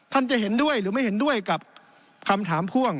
จะเห็นด้วยหรือไม่เห็นด้วยกับคำถามพ่วง